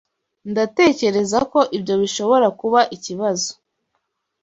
Ndatekereza ko ibyo bishobora kuba ikibazo.